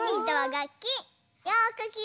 がっき？